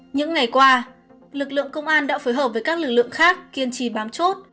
những ngày qua lực lượng công an đã phối hợp với các lực lượng khác kiên trì bám chốt